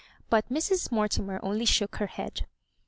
But Mrs. Mortimer only shook her head.